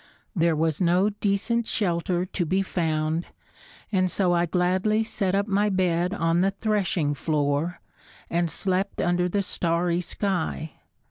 There was no decent shelter to be found and so I gladly set up my bed on the threshing floor, and slept under the starry sky.